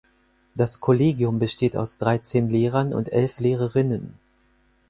Das Kollegium besteht aus dreizehn Lehrern und elf Lehrerinnen.